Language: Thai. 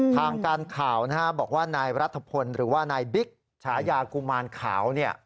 ทางการข่าวบอกว่านายรัฐพลหรือว่านายบิ๊กฉายากุมารขาว